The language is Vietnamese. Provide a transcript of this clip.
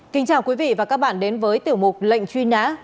kính chào quý vị và các bạn đến với tiểu mục lệnh truy nã